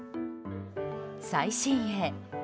最新鋭。